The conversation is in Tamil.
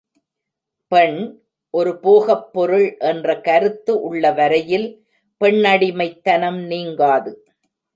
பெண், ஒரு போகப் பொருள் என்ற கருத்து உள்ளவரையில் பெண்ணடிமைத்தனம் நீங்காது.